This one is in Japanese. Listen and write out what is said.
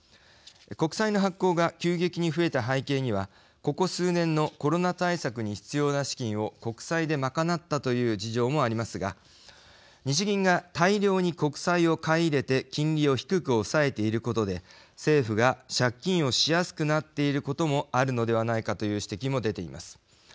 国債の発行が急激に増えた背景にはここ数年のコロナ対策に必要な資金を国債で賄ったという事情もありますが日銀が大量に国債を買い入れて国債の金利を低く抑えていることで政府が借金をしやすくなっていることもあるのではないかという指摘も出ています。